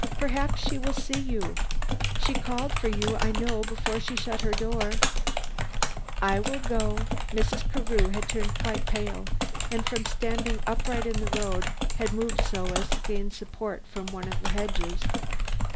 Perhaps she will see you. She called for you, I know, before she shut her door." "I will go." Mrs. Carew had turned quite pale, and from standing upright in the road, had moved so as to gain support from one of the hedges.